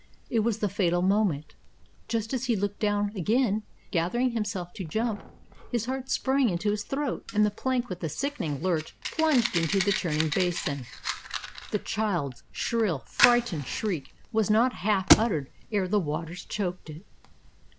It was the fatal moment. Just as he looked down again, gathering himself to jump, his heart sprang into his throat, and the plank with a sickening lurch plunged into the churning basin. The child's shrill, frightened shriek was not half uttered ere the waters choked it.